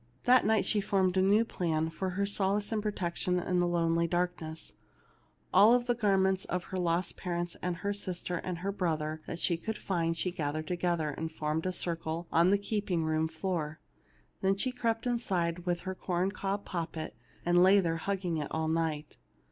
That night she formed a new plan for her sol ace and protection in the lonely darkness. All the garments of her lost parents and sister and brother that she could find she gathered together, and formed in a circle on the keeping room floor ; then she crept inside with her corn cob poppet, and lay there hugging it all night.